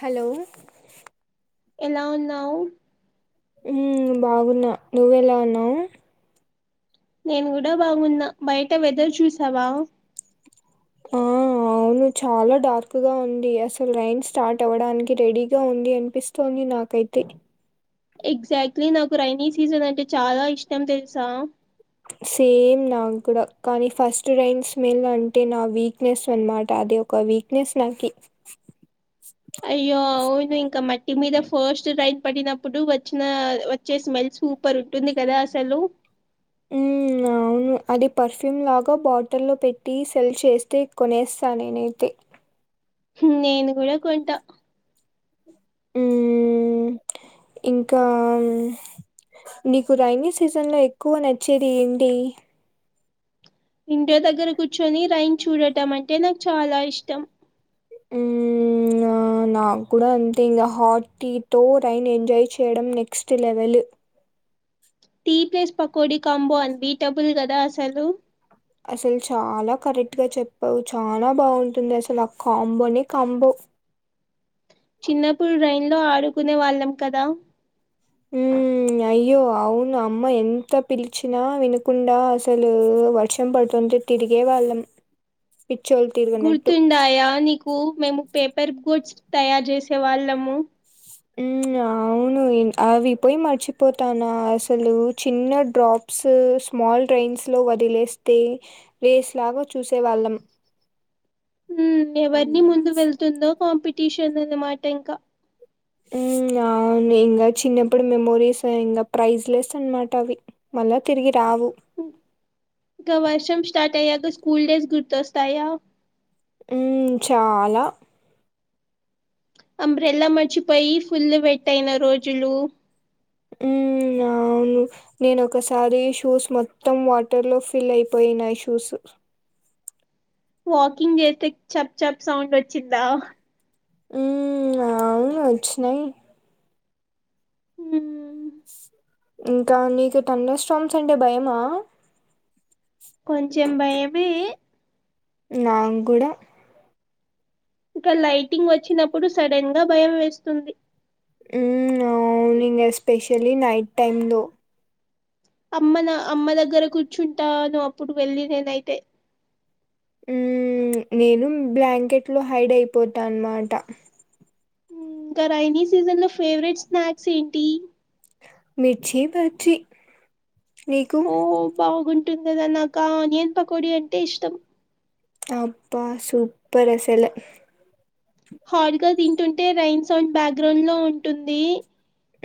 Hello ఎలా ఉన్నావు ఊ బాగున్న నువ్వు ఎలా ఉన్నావ్ నేను కూడా బాగున్న బయట వెదర్ చూసావా ఆ అవును చాలా డార్క్ గా ఉంది అసలు రైన్ స్టార్ట్ అవ్వడానికి రెడీగా ఉంది అనిపిస్తోంది నాకైతే ఎగ్జాక్ట్లీ నాకు రైనీ సీజన్ అంటే చాలా ఇష్టం తెలుసా సేమ్ నాకు కూడా కానీ ఫస్ట్ రైన్ స్మెల్ అంటే నా వీక్నెస్ అనమాట అది ఒక వీక్నెస్ నాకి అయ్యోయ్ ఇంకా మట్టి మీద ఫస్ట్ రైన్ పడినప్పుడు వచ్చిన వచ్చే స్మెల్ సూపర్ ఉంటుంది కదా సలు ఉ అ అవును అది పర్ఫ్యూమ్ లాగా బాటిల్లో పెట్టి సెల్ చేస్తే కొనేస్తా నేనైతే నేను కూడా కొంటా మ్మ్ ఇంకా నీకు రైైనీ సీజన్ లో ఎక్కువ నచ్చేది ఏంటి ఇంటి దగ్గర కూర్చొని రైన్ చూడటం అంటే నాకు చాలా ఇష్టం నా కూడా అంతే ఇంకా హాట్ టీతో రైన్ ఎంజాయ్ చేయడం next level tea place pakodi combo unbeatable కదా అసలు అసలు చాలా కరెక్ట్ గా చెప్పావు చాలా బాగుంటుంది అసలు ఆ కాంబోనే కాంబో చిన్నప్పుడు రైన్లో ఆడుకునే వాళ్ళం కదా ఉ అయ్యో అవును అమ్మ ఎంత పిలిచినా వినకుండా అసలు వర్షం పడుతు ఎంత తిరిగే వాళ్ళం [inaudible] పిచ్చోళ్ళు తిరిగినట్టు గుర్తుడాయా నీకు మేము పేపర్ బోట్స్ తయారు చేసేవాళ్ళము ఉ అవు ను అవి పోయి మర్చిపోతానా అసలు చిన్న డ్రాప్స్ స్మాల్ డ్రై న్స్ లో వదిలేస్తే వేస్లాగా చూసేవాళ్ళం ఉ ఎవరిని ముందు అవునా వెళ్తుందో కాంపిటీషన్ అన్నమాట ఇంకా ఉ అవును ఇంగ చిన్నప్పుడు మెమోరీస్ ఇంగ ప్రైజ్ లెస్ అనమాట అవి మల్ల తిరిగి రావు ఇంకా వర్షం స్టార్ట్ అయ్యాక స్కూల్ డేస్ గుర్తొస్తాయా ఉ చాలా అంబ్రెల్లా మర్చిపోయి ఫుల్లు వెట్టయిన రోజులు ఉ అవును నేను ఒకసారి షూస్ మొత్తం వాటర్ లో ఫిల్ అయిపోయినాయి షూస్ వాకింగ్ చేస్తే చప్ చప్ సౌండ్ వచ్చిందా ఉ అవును వచ్చినయి ఉ ఇంకా నీకు తండర్ స్టామ్స్ అంటే భయమా కొంచెం భయమే నాగుడా ఇక లైటింగ్ వచ్చినప్పుడు సడన్ గా భయం వేస్తుంది ఉమ్ అవును ఇంగ ఎస్పెషల్లీ నైట్ టైమ్ లో అమ్మ నా అమ్మ దగ్గర కూర్చుంటాను అప్పుడు వెళ్ళి నేనైతే ఉమ్ ప్చ్ నేను బ్లాంకెట్ లో హైడ్ అయిపోతా అనమాట ఇంకా రెయినీ సీజన్ లో ఫేవరెట్ స్నాక్స్ ఏంటి మిర్చీ బజ్జి ఓహో బాగుంటుంది కదా నాకా ఆనియన్ పకోడి అంటే ఇష్టం అబ్బా సూపర్ అసలు హాట్ గా తింటుంటే రెయిన్ సౌండ్ బ్యాక్గ్రౌండ్ లో ఉంటుంది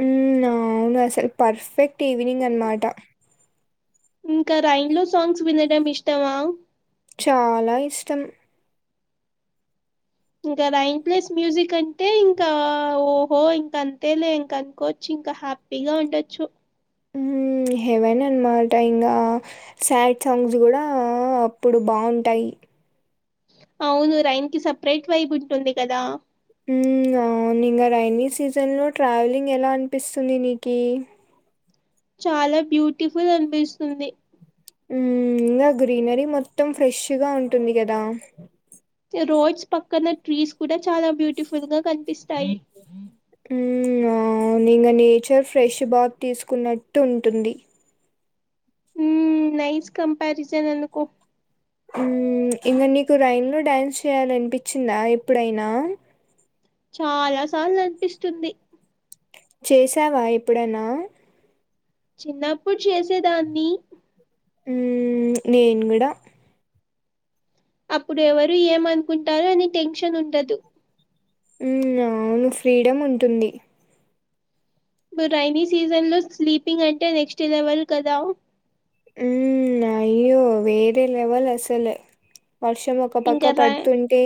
ఉమ్ అవును అసలు పర్ఫెక్ట్ ఈవినింగ్ అనమాట ఇంకా రెయిన్ లో సాంగ్స్ వినడం ఇష్టమా చాలా ఇష్టం ఇంకా రెయిన్ ప్లస్ మ్యూజిక్ అంటే ఇంకా ఓహో ఇంకా అంతే లే ఇంక అనుకోచ్చి ఇంకా హ్యాపీగా ఉండొచ్చు ఉమ్ హెవన్ అనమాట ఇంకా సాడ్ సాంగ్స్ కూడా అప్పుడు బాగుంటాయి అవును రెయిన్కి సపరేట్ వైబ్ ఉంటుంది కదా అవును ఇంకా రెయినీ సీజన్ లో ట్రావెలింగ్ ఎలా అనిపిస్తుంది నీకి చాలా బ్యూటిఫుల్ అనిపిస్తుంది ఉమ్ ఇంకా గ్రీనరీ మొత్తం ఫ్రెష్గా ఉంటుంది కదా రోడ్స్ పక్కన ట్రీస్ కూడా చాలా బ్యూటిఫుల్ గా కనిపిస్తాయి ఉమ్ ఆ అవును ఇంకా నేచర్ ఫ్రెష్ బాత్ తీసుకున్నట్టు ఉంటుంది ఉమ్ నైస్ కంపారిజన్ అనుకో ఉమ్ ఇంకా నీకు రెయిన్ లో డ్యాన్స్ చేయాలనిపించిందా ఎప్పుడైనా చాలా సార్లు అనిపిస్తుంది చేసావా ఎప్పుడన్నా చిన్నప్పుడు చేసేదాన్ని ఉమ్ నేను కూడా అప్పుడు ఎవరు ఏమనుకుంటారు అని టెన్షన్ ఉండదు ఉమ్ అవును ఫ్రీడమ్ ఉంటుంది బ రెయినీ సీజన్ లో స్లీపింగ్ అంటే నెక్స్ట్ లెవెల్ కదా ఉమ్ అయ్యో వేరే లెవల్ అసలు వర్షం ఒక ఇంకా పక్క ర పడుతుంటే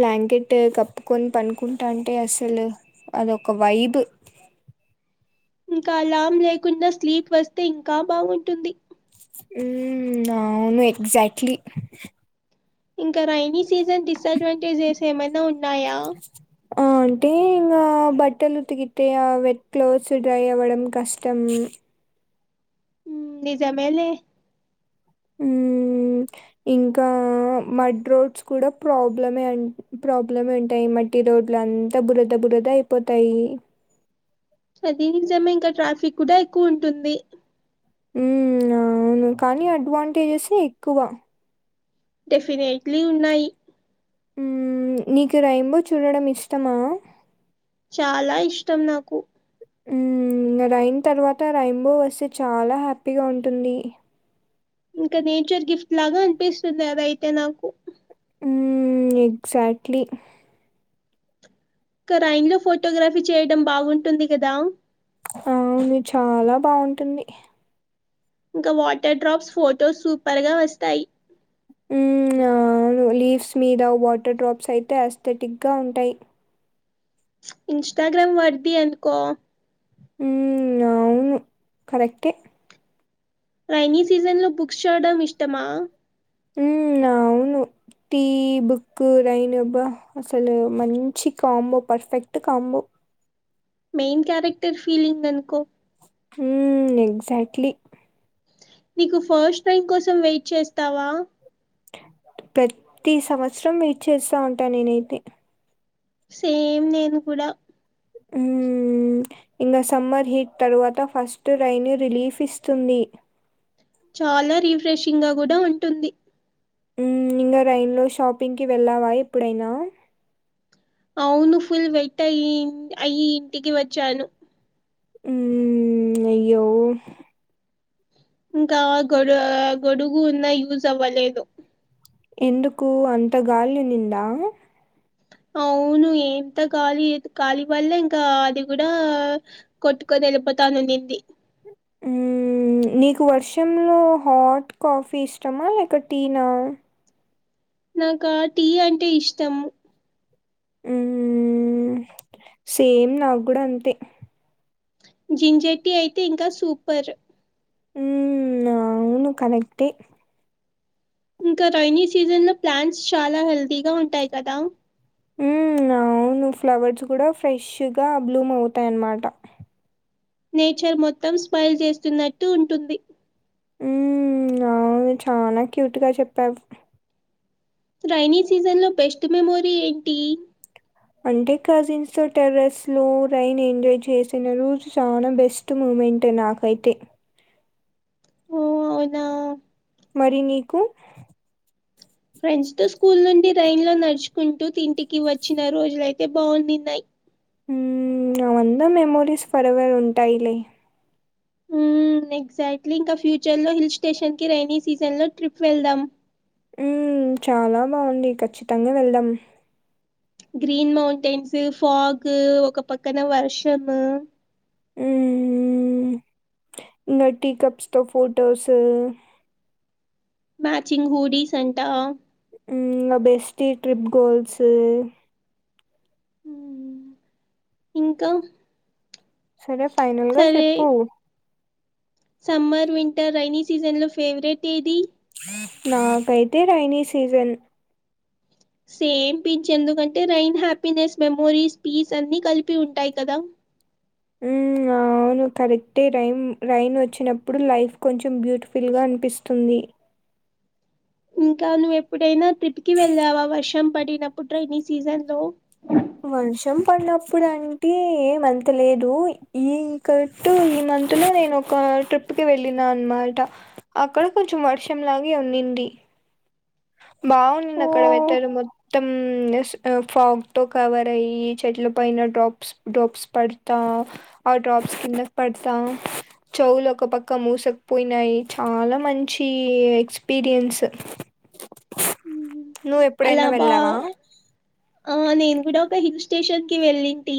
బ్లాంకె ట్ కప్పుకొని పనుకుంటా అంటే అసలు అదొక వైబ్ ఇంకా అలామ్ లేకుండా స్లీప్ వస్తే ఇంకా బాగుంటుంది ఉమ్ అవును ఎగ్జాట్లీ ఇంకా రెయినీ సీజన్ డిసడ్వాంటేజెస్ ఏమైనా ఉన్నాయా ఆ అంటే ఇంకా బట్టలు ఉతికితే ఆ వెట్ క్లోత్స్ డ్రై అవ్వడం కష్టం బ ఉమ్ నిజమేలే ఉమ్ ఇంకా మడ్ రోడ్స్ కూడా ప్రాబ్లమే అన్ ప్రాబ్లమే ఉంటాయి మట్ ట్టి రోడ్లు అంతా బురద బురద అయిపోతాయి అది నిజమే ఇంకా ట్రాఫిక్ కూడా ఎక్కువ ఉంటుంది ఉమ్ అవును కానీ అడ్వాంటేజెసే ఎక్కువ డెఫినెట్లీ ఉన్నాయి నీకు రైంబో చూడడం ఇష్టమా చాలా ఇష్టం నాకు మ్మ్ రయిన్ తర్వాత రైంబో వస్తే చాలా హ్యాపీగా ఉంటుంది ఇంకా నేచర్ గిఫ్ట్ లాగా అనిపిస్తుంది అది అయితే నాకు మ్మ్ ఎగ్జాక్ట్లీ గటైమ్ లో ఫోటోగ్రఫీ చేయడం బావుంటుంది కదా అవును చాలా బావుంటుంది ఇంకా వాటర్ డ్రాప్స్ ఫొటో సూపర్గా వస్తాయి ఉమ్మ్ అవ్ లీఫ్స్ మీద వాటర్ డ్రాప్స్ అయితే అస్థెటిక్గా ఉంటాయి ఇన్స్టాగ్రామ్ వర్ది ఎందుకో ఉమ్ అవును కరెక్టే రైైనీ సీజన్ లో బుక్స్ చూడ్డం ఇష్టమా ఉమ్ అవును టీ బుక్ రైను బ్బా అసలు మంచి combo perfect combo main character feeling అనుకో హ్మ్ ఎగ్జాక్ట్లీ నీకు ఫస్ట్ టైం కోసం వెయిట్ చేస్తావా ప్రతి సంవత్సరం వెయిట్ చేస్తా ఉంటా నేనైతే సేమ్ నేను కూడా హ్మ్ ఇంకా సమ్మర్ హీట్ తరువాత ఫస్ట్ రైనీ రిలీఫ్ ఇస్తుంది చాలా రిఫ్రెషింగ్గ కూడా ఉంటుంది మ్మ్ ఇంగ రైన్లో షాపింగ్కి వెళ్ళావా ఎప్పుడైనా అవును ఫుల్ వెట్ అయ్యి ఇంటికి వచ్చాను మ్మ్ అయ్యో ఇంకా గొడు గొడుగు ఉన్నా యూజ్ అవ్వలేదు ఎందుకు అంత గాలి నిండా అవును ఎంత ఖాలీ ఖాలీ వల్లే ఇంకా అది కూడా కొట్టుకోదే ఎళ్ళిపోతాను అనింది మ్మ్. నీకు వర్షంలో హాట్ కాఫీ ఇష్టమా లేక టీనా నాకా టీ అంటే ఇష్టం ఉమ్ సేమ్ నాకు గూడా అంతే జింజర్ టీ అయితే ఇంకా సూపర్ మ్ అవును కరెక్టే ఇంకా రైైనీ సీజన్లో ప్లాంట్స్ చాలా హెల్తీగా ఉంటాయి కదా మ్మ్ అవును ఫ్లవర్స్ కూడా ఫ్రెష్గ బ్లూమ్ అవుతాయ్ అన్మాట నేచర్ మొత్తం స్మైల్ చేస్తున్నట్టు ఉంటుంది మ్మ్ అవును చాలా క్యూట్గా చెప్పావు రైైనీ సీజన్ లో బెస్ట్ మెమోరీ ఏంటి అంటే కజిన్స్తో టెర్రస్‌లో రైన్ ఎంజాయ్ చేసిన రోజు చాలా బెస్ట్ మూవీ మెన్టే నాకైతే ఓ అవునా మరి నీకు ఫ్రెండ్స్ తో స్కూల్ నుండి ట్రైన్ లో నడుచుకుంటూ తింటికి వచ్చిన రోజులయితే బాగుండిన్నయి. ఉ అవందా మెమోరీస్ ఫర్ ఎవర్ ఉంటాయిలే. హ్మ్ ఉ ఎగ్జాక్ట్లీ ఇంకా ఫ్యూచర్ లో హిల్ స్టేషన్ కి రైైనీ సీజన్ లో ట్రిప్ వెళ్దాం. ఉ చాలా బాగుంది ఖచ్చితంగా వెళ్దాం. గ్రీన్ మౌంటైన్స్ ఫాగు ఒక పక్కన వర్షము. హ్మ్. ఇంగ టి కప్స్తో ఫోటోస్ మ్యాచింగ్ హూడి సంటా నా బెస్టీ ట్రిప్ గోల్స్. ఇంకా సరే ఫైనల్గా సరే చెప్పు సమ్మర్ వింటర్ రైైన సీజన్ లో ఫేవరెట్ ఏది నాకైతే రైనీ సీజన్ సేమ్పించ ఎందుకంటే రైన్ హ్యాపీనెస్ మెమోరీస్ పీస్ అన్ని కలిపి ఉంటాయి కదా. హూ ఆ అవును కరెక్టే రైమ్ రైన్ వచ్చినప్పుడు లైఫ్ కొంచెం బ్యూటిఫుల్గా అనిపిస్తుంది. ఇంకా నువ్ ఎప్పుడైనా ట్రిప్ కి వెళ్ళావా వర్షం పడినప్పుడు ర్రైైనీ సీజన్ లో. వర్షం పడినప్పుడు అంటే ఏమంత లేదు ఈ కట్టు ఈ అందులో నేను ఒక ట్రిప్ కి వెళ్ళిన అనమాట అక్కడ కొంచెం వర్షంలాగే ఉన్నింది. బాగుందింది ఓ అక్కడ వెదర్రు మొత్ మొత్తం ఫాగ్ తో కవర్ అయ్యి చెట్ల పైన డ్రాప్స్ డ్రాప్స్ పడతా. ఆ ట్డ్రాప్స్ కిన్న పడసా చెవులు ఒక పక్క మూసకపోయినాయి చాలా మంచి ఎక్స్పీరియన్స్. అలాబా వెళ్ళావా ఆ నేను ఇడ ఒక హిల్ స్టేషన్ కి వెళ్ళింటి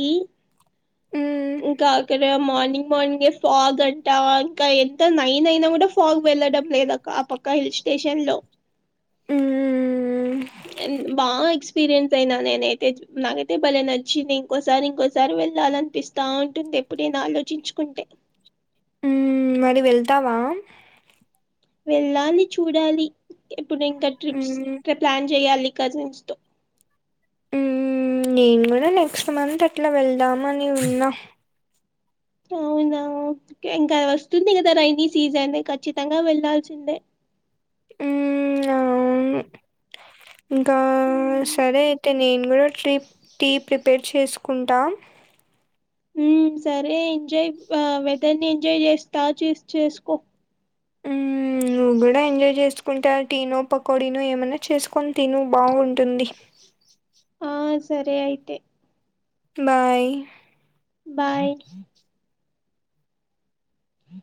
మ్మ్ కాగాక రే మోన్ మ సాగ్ అంటావా ఇంకా ఎంత నైన్ అయినా కూడా సాగ్ వెళ్ళడం లేదక్క ఆ పక్క స్టేషన్ లోడ్ మ్మ్ బా ఎక్స్ ఎక్స్పీరియన్స్ అయినా నేనైతే నాకైతే భలే నచ్చింది ఇంకోసారి ఇంకోసారి వెళ్ళాలి అనిపించ్ బా ఉంటుంది ఎప్పుడ నేను ఆలోచించుకుంటే. మరి వెళ్తావా వెళ్ళాలి చూడాలి ఇప్పుడు ఇంకా ట్రిప్స్ మ్మ్ ట్రి ప్లాన్ చేయాలి. కజిన్స్ తో ఉ నేను కూడా నెక్స్ట్ మంత్ అట్లా వెళ్దామ అని ఉన్నాం. అవునా ఇంకా వస్తుంది కదా రైైనీ సీజన్ ఖచ్చితంగా వెళ్లాల్సిందే. ఉ ఇంకా సరే అయితే నేను కూడా ట్రిప్ టీ ప్రిపేర్ చేసుకుంటా సరే ఎంజాయ్ వెదర్ ని ఎంజాయ్ చేస్తా చూసి చేసుకో హు నువ్వు కూడా ఎంజాయ్ చేసుకుంటా టీనో పకోడీనో ఏమైన్నా చేసుకొని తి నువ్ బాగుంటుంది ఆ సరే అయితే బాయ్ బాయ్ హ